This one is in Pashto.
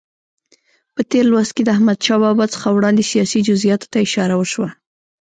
په تېر لوست کې د احمدشاه بابا څخه وړاندې سیاسي جزئیاتو ته اشاره وشوه.